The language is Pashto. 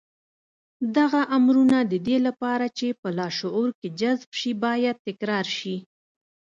دغه امرونه د دې لپاره چې په لاشعور کې جذب شي بايد تکرار شي.